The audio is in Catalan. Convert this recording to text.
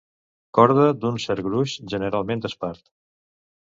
Corda d'un cert gruix, generalment d'espart.